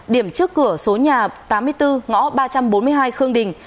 điểm trước cửa số nhà tám mươi bốn ngõ ba trăm bốn mươi hai khương đình